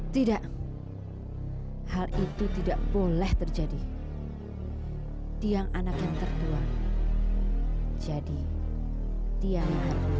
tidak hal itu tidak boleh terjadi tiang anak yang tertua jadi tiang